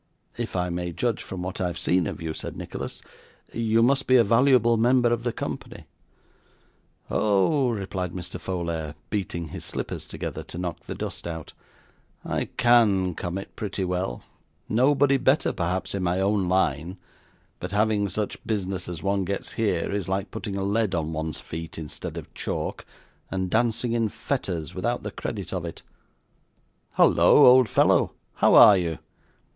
'If I may judge from what I have seen of you,' said Nicholas, 'you must be a valuable member of the company.' 'Oh!' replied Mr. Folair, beating his slippers together, to knock the dust out; 'I CAN come it pretty well nobody better, perhaps, in my own line but having such business as one gets here, is like putting lead on one's feet instead of chalk, and dancing in fetters without the credit of it. Holloa, old fellow, how are you?